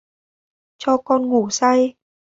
Cho con gủ say...